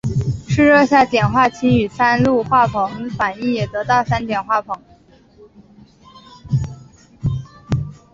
赤热下碘化氢与三氯化硼反应也得到三碘化硼。